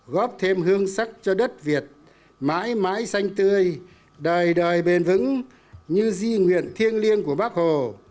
góp thêm hương sắc cho đất việt mãi mãi xanh tươi đời đời bền vững như di nguyện thiêng liêng của bác hồ